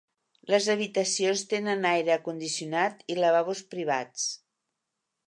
Les habitacions tenen aire condicionat i lavabos privats.